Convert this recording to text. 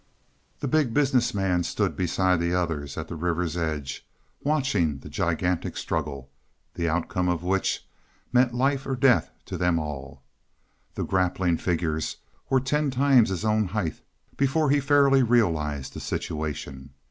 The Big Business Man stood beside the others at the river's edge, watching the gigantic struggle, the outcome of which meant life or death to them all. The grappling figures were ten times his own height before he fairly realized the situation.